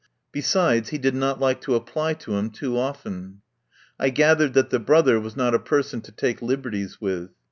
Besides, he did not like to apply to him too often. I gathered that the brother was not a person to take liberties with.